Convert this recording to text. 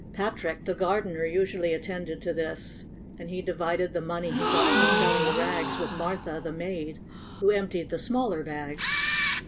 Patrick, the gardener, usually attended to this, and he divided the money he got from selling the rags with Martha, the maid, who emp tied the smaller bag.